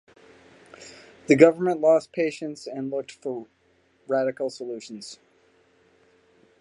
The government lost patience and looked for radical solutions.